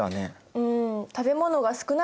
うん。